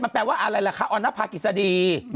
มันแปลว่าอะไรล่ะค้าอนภาคกิสดี